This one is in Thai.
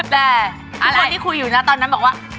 แต่คนที่คุยอยู่นะตอนนั้นบอกว่า